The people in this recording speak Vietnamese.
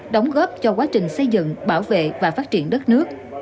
đóng góp cho quá trình xây dựng bảo vệ và phát triển đất nước